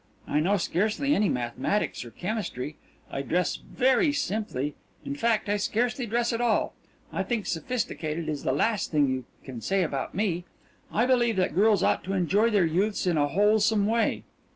I know scarcely any mathematics or chemistry. I dress very simply in fact, I scarcely dress at all. I think sophisticated is the last thing you can say about me. I believe that girls ought to enjoy their youths in a wholesome way."